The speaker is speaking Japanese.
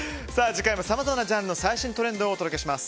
次回もさまざまなジャンルの最新トレンドをお届けします。